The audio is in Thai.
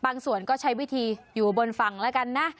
บางส่วนก็ใช้วิธีอยู่บนฝั่งละกันน่ะ